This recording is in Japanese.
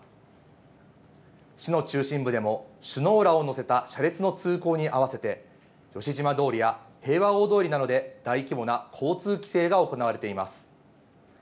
市の中心部でも首脳らを乗せた車列の通行にあわせて、通りや平和大通りなどで大規模な交通規制が行われています。